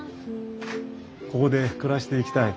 ここで暮らしていきたい